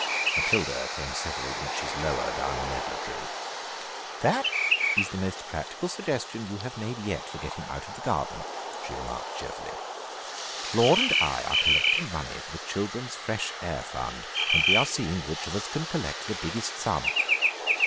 Matilda came several inches lower down the medlar tree. "That is the most practical suggestion you have made yet for getting out of the garden," she remarked cheerfully; "Claude and I are collecting money for the Children's Fresh Air Fund, and we are seeing which of us can collect the biggest sum."